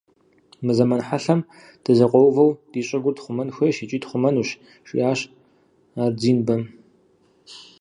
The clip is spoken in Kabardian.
- Мы зэман хьэлъэм, дызэкъуэувэу, ди щӀыгур тхъумэн хуейщ икӀи тхъумэнущ, - жиӏащ Ардзинбэм.